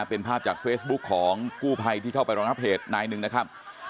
เป็นภาพจากเฟซบุ๊คของกู้ภัยที่เข้าไปรองรับเหตุนายหนึ่งนะครับ